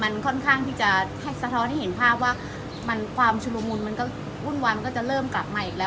มันค่อนข้างที่จะสะท้อนให้เห็นภาพว่ามันความชุลมุนมันก็วุ่นวายมันก็จะเริ่มกลับมาอีกแล้ว